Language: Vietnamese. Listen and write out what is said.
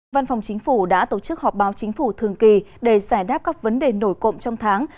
văn phòng chính phủ đã tổ chức họp báo chính phủ thường kỳ để giải đáp các vấn đề nổi cộng trong tháng